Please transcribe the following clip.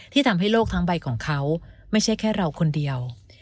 ทำให้โลกทั้งใบของเขาไม่ใช่แค่เราคนเดียว